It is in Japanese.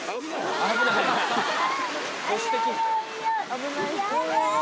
危ないよ。